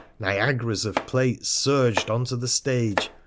Niagaras of plates surged on to the stage.